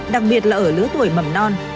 đặc biệt là ở lứa tuổi mầm non